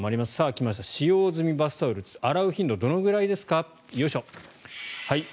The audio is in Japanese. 来ました、使用済みバスタオル洗う頻度はどのくらいですか？